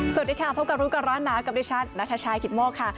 สวัสดีค่ะพบกับรู้ก่อนร้อนหนาวกับดิฉันนัทชายกิตโมกค่ะ